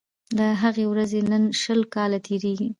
له هغې ورځي نن شل کاله تیریږي